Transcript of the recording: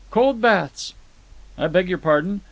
Cold baths!" "I beg your pardon?"